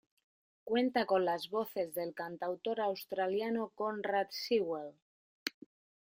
Cuenta con las voces del cantautor australiano Conrad Sewell.